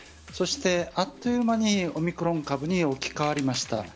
そしてあっという間にオミクロン株に置き換わりました。